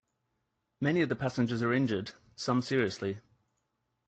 Many of the passengers are injured, some seriously.